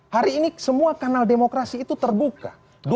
hari ini semua kanal demokrasi itu terbuka